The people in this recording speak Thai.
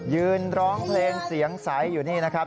ยืนร้องเพลงเสียงใสอยู่นี่นะครับ